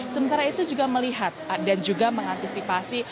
sementara itu juga melihat dan juga mengantisipasi